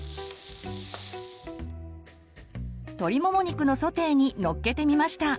鶏もも肉のソテーにのっけてみました！